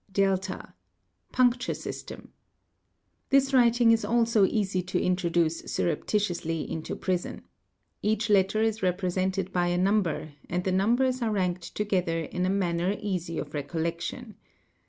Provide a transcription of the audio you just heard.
(8) Puncture system :—This writing is also easy to introduce surrep titiously into prison. Hach letter is represented by a number and the numbers are ranked together in a manner easy of recollection.